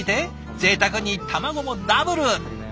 ぜいたくに卵もダブル！